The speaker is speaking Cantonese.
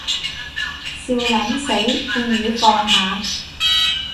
笑撚死，建議放下